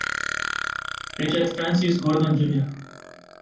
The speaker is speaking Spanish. Richard Francis Gordon Jr.